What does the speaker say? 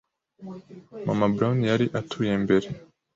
Mama Brown yari atuye mbere